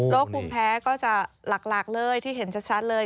ภูมิแพ้ก็จะหลักเลยที่เห็นชัดเลย